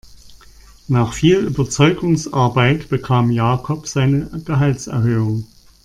Nach viel Überzeugungsarbeit bekam Jakob seine Gehaltserhöhung.